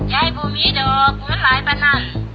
ยายกูมีเดอร์คุณไหลประนัน